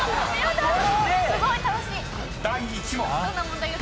［第１問］